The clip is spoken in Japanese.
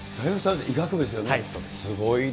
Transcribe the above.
大学３年生、医学部ですよね。